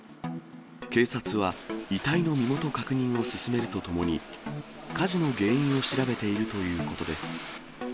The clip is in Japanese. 警察は遺体の身元確認を進めるとともに、火事の原因を調べているということです。